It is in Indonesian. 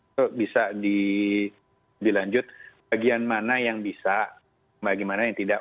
itu bisa dilanjut bagian mana yang bisa bagaimana yang tidak